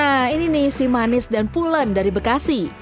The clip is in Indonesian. nah ini nih si manis dan pulen dari bekasi